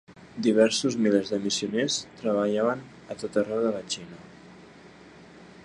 Diversos milers de missioners treballaven a tot arreu de la Xina.